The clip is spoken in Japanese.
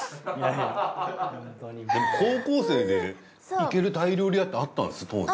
でも高校生で行けるタイ料理屋ってあったんですか当時。